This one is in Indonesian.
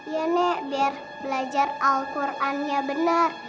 ya nek biar belajar al qurannya benar